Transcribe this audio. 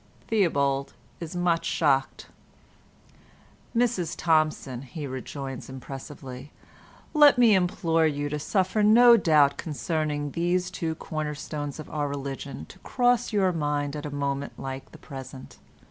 Theobald is much shocked. "Mrs Thompson," he rejoins impressively, "let me implore you to suffer no doubt concerning these two cornerstones of our religion to cross your mind at a moment like the present.